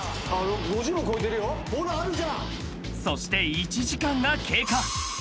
［そして１時間が経過］